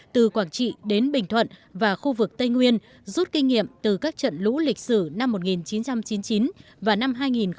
từ quảng trị đến bình thuận và khu vực tây nguyên rút kinh nghiệm từ các trận lũ lịch sử năm một nghìn chín trăm chín mươi chín và năm hai nghìn một mươi